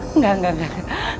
enggak enggak enggak